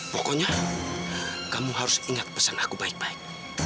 pokoknya kamu harus ingat pesan aku baik baik